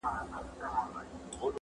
د داسي قوي شخصیت خاوند وو -